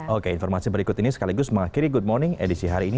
oke informasi berikut ini sekaligus mengakhiri good morning edisi hari ini